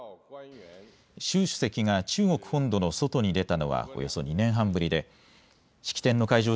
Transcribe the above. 習主席が中国本土の外に出たのはおよそ２年半ぶりで式典の会場